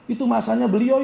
itu masanya beliau itu